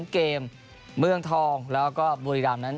เกมเมืองทองแล้วก็บุรีรำนั้น